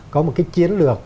có một cái chiến lược